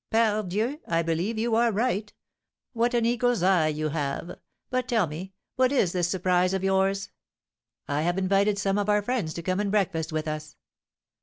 "Pardieu! I believe you are right. What an eagle's eye you have! But, tell me, what is this surprise of yours?" "I have invited some of our friends to come and breakfast with us!"